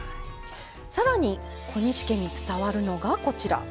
さらに小西家に伝わるのがこちら。